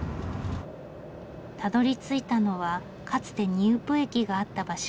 たどり着いたのはかつて仁宇布駅があった場所。